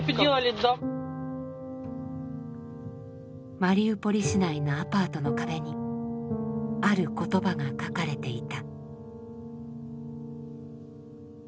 マリウポリ市内のアパートの壁にある言葉が書かれていた。